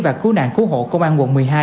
và cứu nạn cứu hộ công an quận một mươi hai